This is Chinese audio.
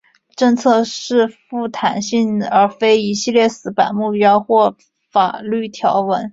政策是富弹性的而非一系列死板的目标或法律例文。